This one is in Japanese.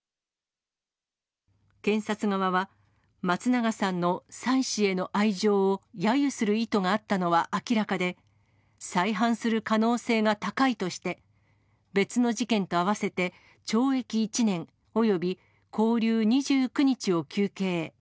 検察側は、松永さんの妻子への愛情をやゆする意図があったのは明らかで、再犯する可能性が高いとして、別の事件と合わせて、懲役１年および拘留２９日を求刑。